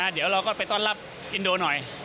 เดี๋ยวเราก็ไปต้อนรับอินโดหน่อย